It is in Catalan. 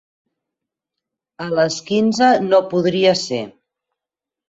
A les quinze no podria ser.